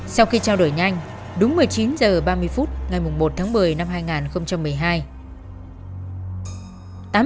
sau khi trao đổi nhanh đúng một mươi chín h ba mươi phút ngày một tháng một mươi năm hai nghìn một mươi hai